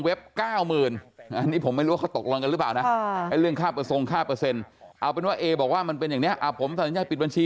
เว็บ๙๐๐๐๐บาทเรื่องค่าเศร้างค่าเปอร์เซ็นต์เอาเป็นว่าบอกว่ามันเป็นเนี้ยผมนี่